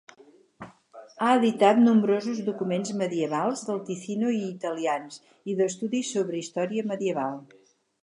Ha editat nombrosos documents medievals del Ticino i italians i d'estudis sobre història medieval.